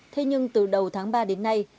thế nhưng từ đầu tháng ba đến nay